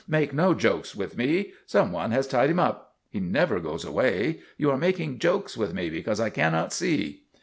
" Make no jokes with me. Some one has tied him up. He never goes away. You are making jokes with me because I cannot see."